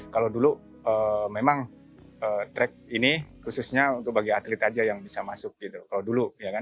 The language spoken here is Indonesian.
kalau dulu memang track ini khususnya untuk bagi atlet aja yang bisa masuk gitu kalau dulu